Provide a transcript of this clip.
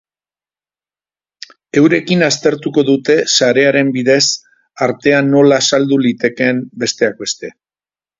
Eurekin aztertuko dute sarearen bidez artea nola saldu litekeen, besteak beste.